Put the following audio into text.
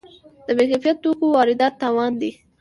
د بې کیفیت توکو واردات تاوان دی.